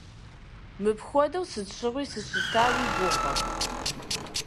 Мыпхуэдэу сыт щыгъуи сыщыта уи гугъэ?!